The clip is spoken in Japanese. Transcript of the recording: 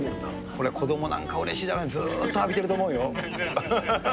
これ、子どもなんかうれしいだろうね、ずっと浴びてると思うよ。